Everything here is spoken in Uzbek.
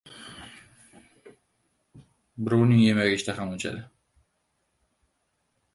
• Birovning yemagi ishtahani ochadi.